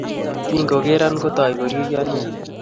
Kingogera kotai koririo nea